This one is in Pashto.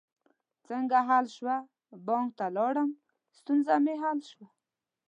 څنګه حل شوه؟ بانک ته لاړم، ستونزه می حل شوه